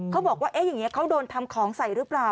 เขาบอกว่าอย่างนี้เขาโดนทำของใส่หรือเปล่า